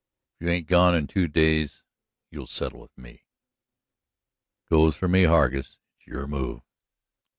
"If you ain't gone in two days you'll settle with me." "That goes with me, Hargus. It's your move."